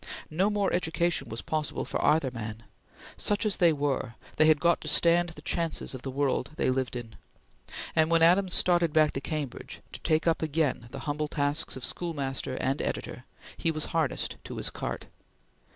No more education was possible for either man. Such as they were, they had got to stand the chances of the world they lived in; and when Adams started back to Cambridge, to take up again the humble tasks of schoolmaster and editor he was harnessed to his cart.